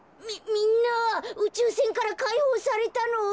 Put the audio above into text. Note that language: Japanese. みんなうちゅうせんからかいほうされたの？